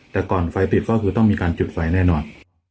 แต่ก่อนไฟติดก็คือต้องมีการจุดไฟแน่นอน